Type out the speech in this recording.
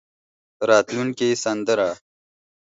راتلونکې سندره.